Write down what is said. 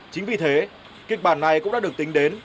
chính vì thế kịch bản này cũng đã được tính đến